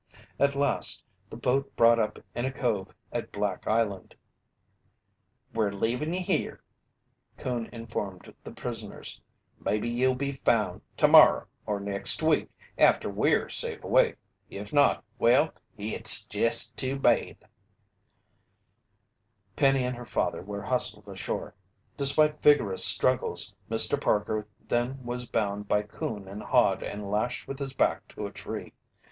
At last, the boat brought up in a cove at Black Island. "We're leavin' ye here," Coon informed the prisoners. "Maybe ye'll be found tomorrer or next week after we're safe away. If not, well hit's jest too bad!" Penny and her father were hustled ashore. Despite vigorous struggles, Mr. Parker then was bound by Coon and Hod and lashed with his back to a tree.